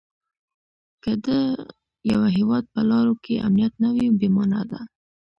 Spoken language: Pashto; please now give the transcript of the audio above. که د یوه هیواد په لارو کې امنیت نه وي بې مانا ده.